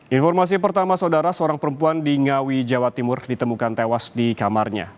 informasi pertama saudara seorang perempuan di ngawi jawa timur ditemukan tewas di kamarnya